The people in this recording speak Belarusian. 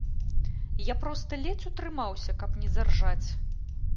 Я проста ледзь утрымаўся, каб не заржаць.